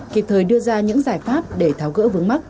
kịp thời đưa ra những giải pháp để tháo gỡ vướng mắt